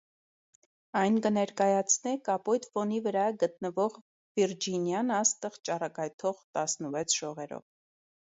Այն կըներկայացնէ կապոյտ ֆոնի վրայ գտնուող վիրջինեան աստղ՝ ճառագայթող տասնուեց շողերով։